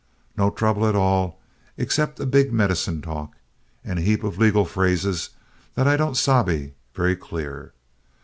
No trouble at all except a big medicine talk, and a heap of legal phrases that I don't sabe very clear.